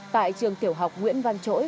tại trường tiểu học nguyễn văn chỗi